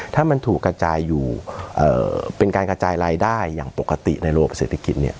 ถ้ามันถูกกระจายอยู่เป็นการกระจายรายได้อย่างปกติในระบบเศรษฐกิจเนี่ย